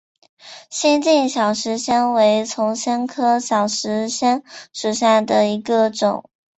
新进小石藓为丛藓科小石藓属下的一个种。